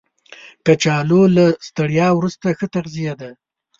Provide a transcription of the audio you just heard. کچالو له ستړیا وروسته ښه تغذیه ده